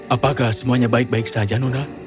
apakah semuanya baik baik saja nona